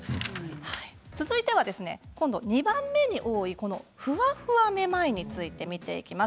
続いてはですね今度２番目に多いこのフワフワめまいについて見ていきます。